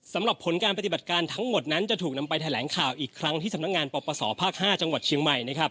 สำหรับผลการปฏิบัติการทั้งหมดนั้นจะถูกนำไปแถลงข่าวอีกครั้งที่สำนักงานปปศภาค๕จังหวัดเชียงใหม่นะครับ